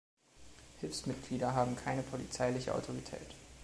Hilfsmitglieder haben keine polizeiliche Autorität.